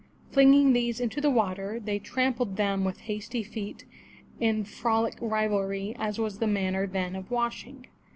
Flinging these into the water, they trampled them with hasty feet in frolic rivalry as was the manner then of washing.